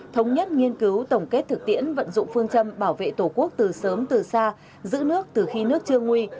thống nhất nghiên cứu tổng kết thực tiễn vận dụng phương châm bảo vệ tổ quốc từ sớm từ xa giữ nước từ khi nước chưa nguy